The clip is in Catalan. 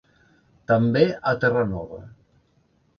També a Terranova.